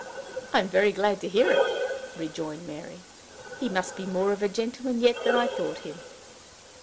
"I'm very glad to hear it," rejoined Mary. "He must be more of a gentleman yet than I thought him."